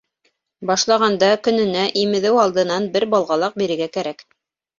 Башлағанда көнөнә имеҙеү алдынан бер балғалаҡ бирергә кәрәк.